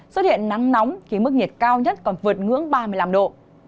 xuất hiện nắng nóng khi mức nhiệt cao nhất còn vượt ngưỡng ba mươi năm độ